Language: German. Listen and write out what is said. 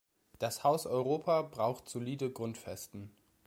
Das Haus Europa braucht solide Grundfesten.